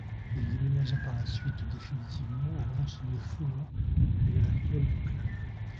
Il déménagea par la suite définitivement à l'anse au Foulon, lieu actuel du club.